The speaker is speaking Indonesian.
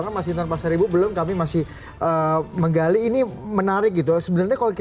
kami akan segera kembali